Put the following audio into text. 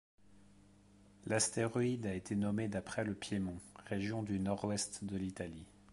L'astéroïde a été nommé d'après le Piémont, région du nord-ouest de l'Italie.